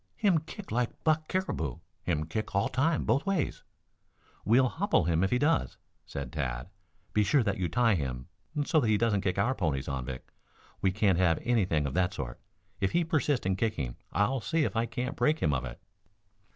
"Him kick like buck caribou. Him kick all time, both ways." "We'll hopple him if he does," said Tad. "Be sure that you tie him so he doesn't kick our ponies, Anvik. We can't have anything of that sort. If he persists in kicking I'll see if I can't break him of it."